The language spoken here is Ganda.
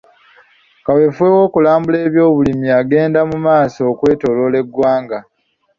Kaweefube w'okulambula eby'obulimi agenda mu maaso okwetooloola eggwanga.